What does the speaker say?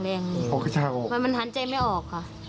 ทั้งหมดมันทันใจไม่ออก